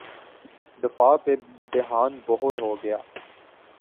دفاع پہ دھیان بہت ہو گیا۔